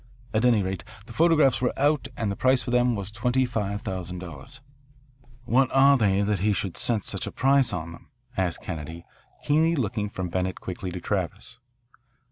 At any rate the photographs were out and the price for them was $25,000." "What are they that he should set such a price on them?" asked Kennedy, keenly looking from Bennett quickly to Travis.